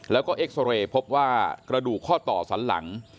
แล้วก็เอ็กซอเรย์พบว่ากระดูกข้อต่อสันหลัง